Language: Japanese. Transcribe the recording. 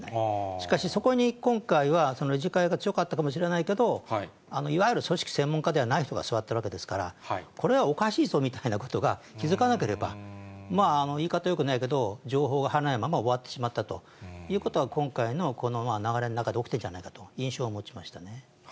しかし、そこに今回は、理事会が強かったかもしれませんけど、いわゆる組織専門家ではない人が座ってるわけですから、これはおかしいぞみたいなことが気付かなければ、言い方よくないけど、情報が分からないまま終わってしまったということは、今回の流れの中で起きてるんじゃないかという印象は持ちましたね。